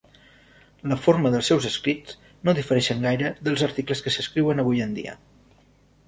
La forma dels seus escrits no difereixen gaire dels articles que s'escriuen avui en dia.